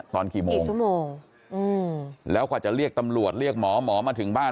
ตอนกี่โมงกี่ชั่วโมงแล้วกว่าจะเรียกตำรวจเรียกหมอหมอมาถึงบ้าน